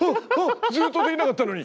ずっとできなかったのに。